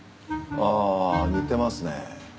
ああ似てますね。